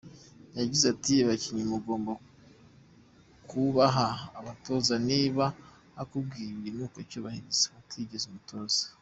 Yagize ati “Abakinnyi mugomba kubaha abatoza, niba akubwiye ikintu ucyubahirize utigize umutoza.